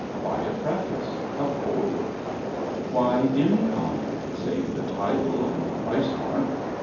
Why a preface a foreword? Why any comment, save the title and the price mark?